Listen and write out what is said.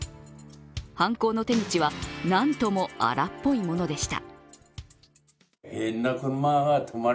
犯行の手口はなんとも荒っぽいものでした。